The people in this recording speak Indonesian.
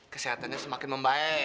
kesehatannya semakin membaik